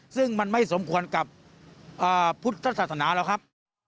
ซึ่งมันไม่สมควรกับพุทธศาสนาหรอกครับ